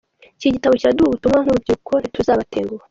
Iki gitabo kiraduha ubutumwa nk’urubyiruko ntituzabatenguha.